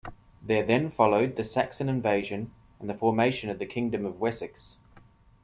There then followed the Saxon invasion and the formation of the Kingdom of Wessex.